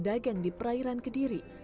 dagang di perairan kediri